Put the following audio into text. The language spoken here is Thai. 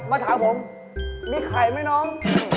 มาถามผมมีไข่ไหมน้อง